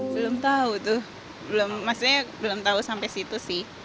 belum tahu tuh maksudnya belum tahu sampai situ sih